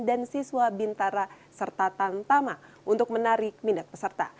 dan siswa bintara serta tantama untuk menarik minat peserta